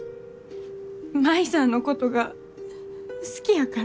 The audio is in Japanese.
舞さんのことが好きやから？